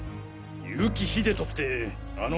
結城秀人ってあの？